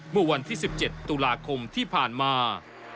เมื่อวันที่๑๗ตุลาคมที่ผ่านมา